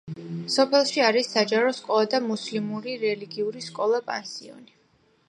სოფელში არის საჯარო სკოლა და მუსლიმური რელიგიური სკოლა-პანსიონი.